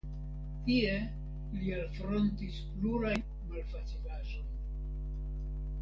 Tie li alfrontis plurajn malfacilaĵojn.